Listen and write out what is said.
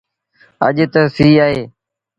اڄ تا سيٚ اهي